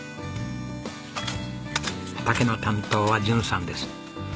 畑の担当は淳さんです。